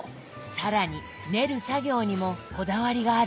更に練る作業にもこだわりがあるそうで。